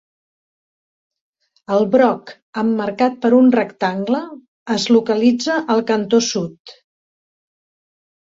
El broc, emmarcat per un rectangle, es localitza al cantó sud.